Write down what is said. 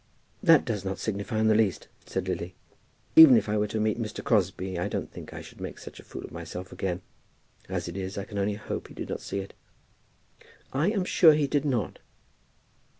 "It does not signify in the least," said Lily. "Even if I were to meet Mr. Crosbie I don't think I should make such a fool of myself again. As it is, I can only hope he did not see it." "I am sure he did not."